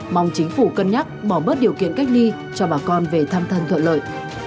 mong chính phủ cân nhắc bỏ bớt điều kiện cách ly cho bà con về thăm thân lợi